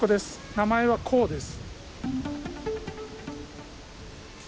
名前はこうです。